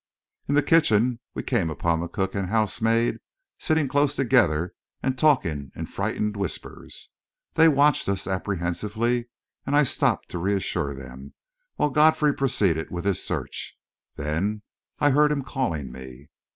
In the kitchen, we came upon the cook and housemaid sitting close together and talking in frightened whispers. They watched us apprehensively, and I stopped to reassure them, while Godfrey proceeded with his search. Then I heard him calling me.